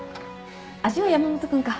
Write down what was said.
味は山本君か。